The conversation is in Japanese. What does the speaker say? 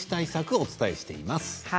お伝えしています。